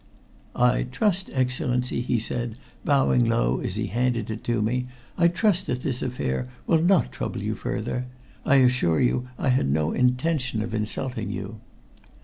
"I trust, Excellency," he said, bowing low as he handed it to me, "I trust that this affair will not trouble you further. I assure you I had no intention of insulting you."